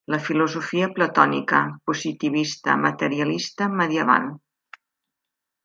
La filosofia platònica, positivista, materialista, medieval.